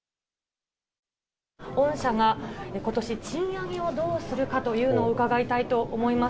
御社がことし、賃上げをどうするかというのを伺いたいと思います。